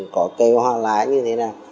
có cây hoa lá như thế nào